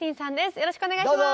よろしくお願いします。